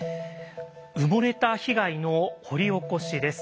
「埋もれた被害の掘り起こし」です。